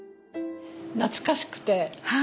懐かしくて。